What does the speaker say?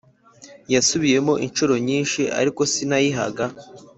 Yasubiyemo inshuro nyinshi ariko sinayihaga